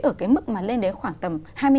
ở cái mức mà lên đến khoảng tầm hai mươi năm